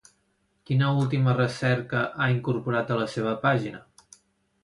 Quina última recerca ha incorporat a la seva pàgina?